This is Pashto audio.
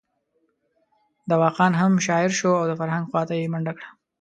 دوا خان هم شاعر شو او د فرهنګ خواته یې منډه کړه.